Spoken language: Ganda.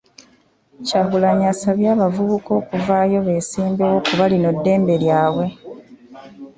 Kyagulanyi asabye abavubuka okuvaayo beesimbewo kubanga lino ddembe lyabwe.